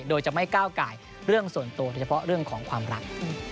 โดยจะไม่ก้าวไก่เรื่องส่วนตัวโดยเฉพาะเรื่องของความรัก